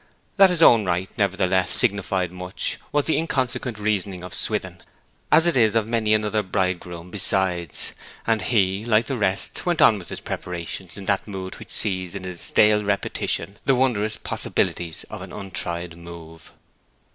That his own rite, nevertheless, signified much, was the inconsequent reasoning of Swithin, as it is of many another bridegroom besides; and he, like the rest, went on with his preparations in that mood which sees in his stale repetition the wondrous possibilities of an untried move.